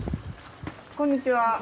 こんにちは。